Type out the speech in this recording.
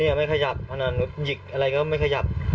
ยังไม่ขยับพนันหยิกอะไรก็ไม่ขยับ